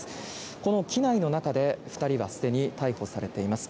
この機内の中で２人はすでに逮捕されています。